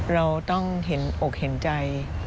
เราต้องเห็นอกเห็นใจ